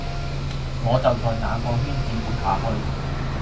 我就在那個圈子活下去